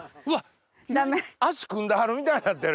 脚組んではるみたいなってる。